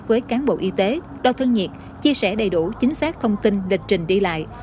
với cán bộ y tế đo thân nhiệt chia sẻ đầy đủ chính xác thông tin lịch trình đi lại